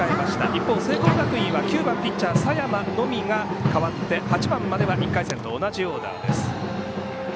一方、聖光学院は９番ピッチャー佐山のみが変わって８番までは１回戦と同じオーダー。